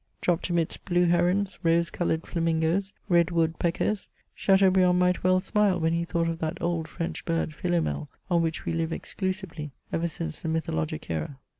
Dropped amidst blue herons, rose coloured flamingoes, red woodpeckers, Chateaubriand might well smile when he thought* of that old French bird Philomele, on which we Uve exclusively, ever since the mythologic era.